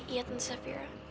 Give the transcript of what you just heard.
iya tuan safira